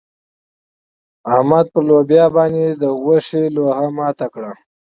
احمد پر لوبيا باندې د غوښې لوهه ماته کړه.